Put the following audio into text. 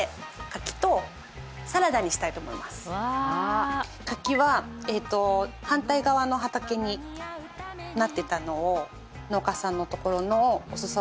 「うわ」柿は反対側の畑になってたのを農家さんのところのをおすそ分け頂きました。